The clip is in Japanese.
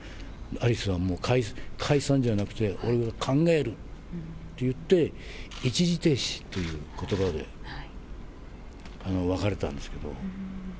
アリスはもう解散じゃなくて、俺が考えるって言って、一時停止ということばで分かれたんですけど。